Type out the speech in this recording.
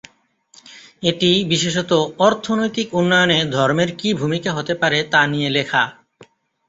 এটি, বিশেষতঃ, অর্থনৈতিক উন্নয়নে ধর্মের কি ভূমিকা হতে পারে তা নিয়ে লেখা।